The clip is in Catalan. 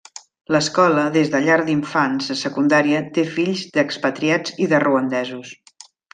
L'escola, des de llar d'infants a secundària, té fills d'expatriats i de ruandesos.